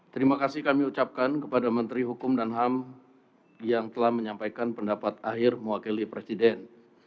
terima kasih kami ucapkan kepada menteri hukum dan ham yang telah menyampaikan pendapat akhir mewakili presiden